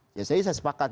jadi saya sepakat